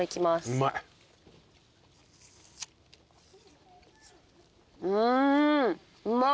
うん。